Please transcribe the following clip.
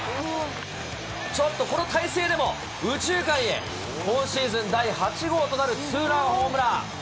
ちょっとこの体勢でも、右中間へ、今シーズン第８号となるツーランホームラン。